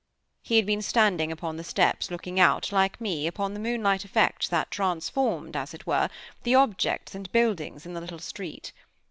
He had been standing upon the steps, looking out, like me, upon the moonlight effects that transformed, as it were, the objects and buildings in the little street.